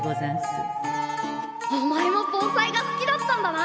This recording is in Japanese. お前も盆栽が好きだったんだな！